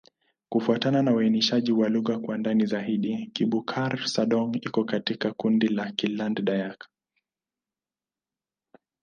Kufuatana na uainishaji wa lugha kwa ndani zaidi, Kibukar-Sadong iko katika kundi la Kiland-Dayak.